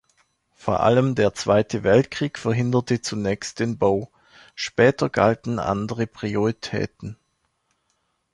Vor allem der Zweite Weltkrieg verhinderte zunächst den Bau, später galten andere Prioritäten.